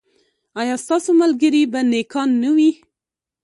ایا ستاسو ملګري به نیکان نه وي؟